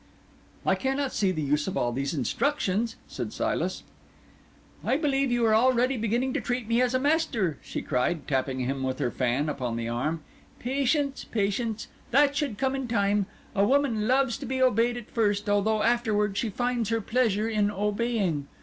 "I cannot see the use of all these instructions," said Silas. "I believe you are already beginning to treat me as a master," she cried, tapping him with her fan upon the arm. "Patience, patience! that should come in time. A woman loves to be obeyed at first, although afterwards she finds her pleasure in obeying.